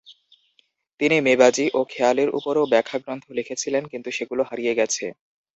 তিনি মেবাজী ও খেয়ালির উপরও ব্যাখ্যাগ্রন্থ লিখেছিলেন কিন্তু সেগুলো হারিয়ে গেছে।